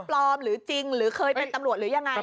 ปลอมหรือจริงหรือเคยเป็นตำรวจหรือยังไง